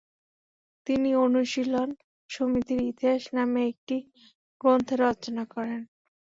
তিনি অনুশীলন সমিতির ইতিহাস নামে একটি গ্রন্থের রচনা করেন।